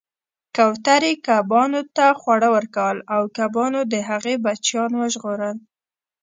کوترې کبانو ته خواړه ورکول او کبانو د هغې بچیان وژغورل